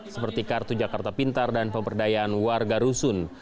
seperti kartu jakarta pintar dan pemberdayaan warga rusun